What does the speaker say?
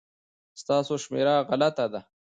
ستاسو شمېره غلطه ده